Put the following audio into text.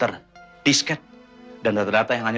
artifacts untuk peluang saya